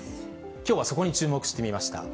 きょうはそこに注目してみました。